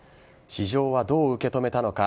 市場はどう受け止めたのか。